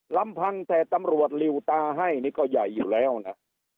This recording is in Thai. ลำพังแต่ตำรวจลิวตาให้นี่ก็ใหญ่อยู่แล้วนะ